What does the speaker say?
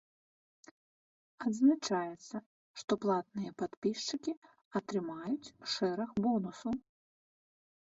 Адзначаецца, што платныя падпісчыкі атрымаюць шэраг бонусаў.